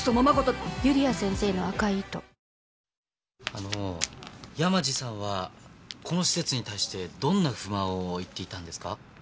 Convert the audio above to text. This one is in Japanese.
あの山路さんはこの施設に対してどんな不満を言っていたんですか？